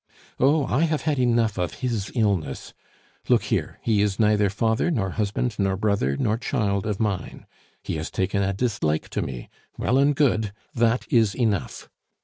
"Oh, I have had enough of his illness! Look here, he is neither father, nor husband, nor brother, nor child of mine. He has taken a dislike to me; well and good, that is enough!